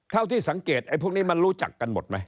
เท่าที่สังเกตไอ้พวกนี้มันรู้จักกันหมดไหม